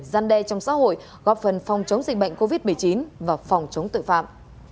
gian đe trong xã hội góp phần phòng chống dịch bệnh covid một mươi chín và phòng chống tội phạm